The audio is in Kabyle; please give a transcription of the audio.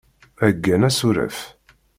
Heggan asuref.